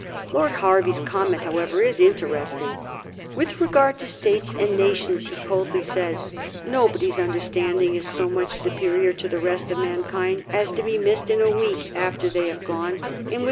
Lord Hervey 's comment, however, is interesting. " With regard to States and nations," he coldly says, " nobody's understanding is so much superior to the rest of mankind as to be missed in a week after they have gone; and, with 92 A HISTORY OF THE FOUR GEORGES. ch.